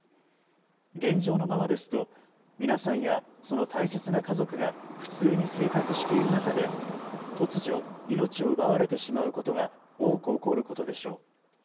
現状のままですと皆さんやその大切な家族が普通に生活している中で突如命を奪われてしまうことが多く起こることでしょう。